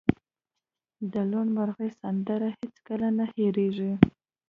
د لوون مرغۍ سندره هیڅکله نه هیریږي